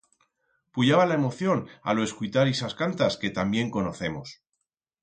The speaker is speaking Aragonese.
Puyaba la emoción a lo escuitar ixas cantas que tan bien conocemos.